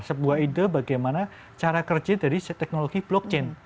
sebuah ide bagaimana cara kerja dari teknologi blockchain